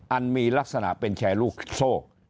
อันมีลักษณะเป็นแชร์ลูกโซ่